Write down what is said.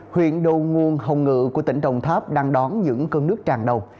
huyện đầu nguồn hồng ngự của tỉnh đồng tháp đang đón những cơn nước tràn đầu